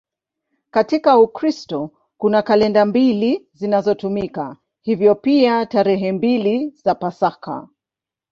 Katika Ukristo kuna kalenda mbili zinazotumika, hivyo pia tarehe mbili za Pasaka.